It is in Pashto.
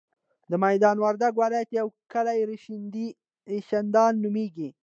د ميدان وردګو ولایت یو کلی رشیدان نوميږي.